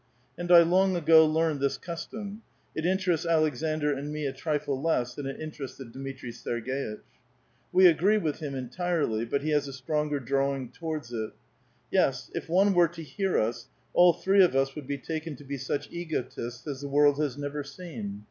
And I long ago learned tbis custom ; it interests Alek sandr and me a trifle less than it interested Dmitri Serg^itch. We agree with him entirely ; but he has a stronger drawing towards it. Yes, if one were to hear us, all three of us would be taken to be such egotists as the world has never seen.